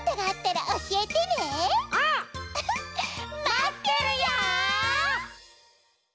まってるよ！